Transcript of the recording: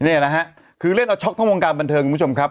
นี่นะฮะคือเล่นเอาช็อกทั้งวงการบันเทิงคุณผู้ชมครับ